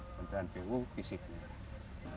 kementerian pu fisiknya